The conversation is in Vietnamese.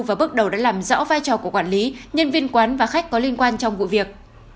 và bước đầu đã làm rõ vai trò của quản lý nhân viên quán và khách có liên quan trong vụ việc